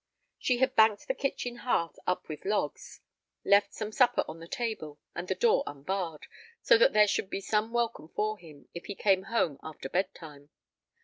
She had banked the kitchen hearth up with logs, left some supper on the table, and the door unbarred, so that there should be some welcome for him if he came home after bedtime.